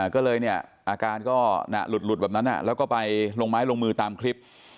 ก็เลยเนี่ยอาการก็หลุดแบบนั้นแล้วก็ไปลงไม้ลงมือตามคลิป